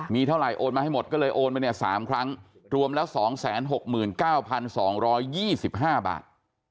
มีเท่าไหร่โอนมาให้หมดก็เลยโอนไปเนี่ยสามครั้งรวมแล้วสองแสนหกหมื่นเก้าพันสองร้อยยี่สิบห้าบาท